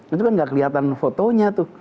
itu kan gak kelihatan fotonya tuh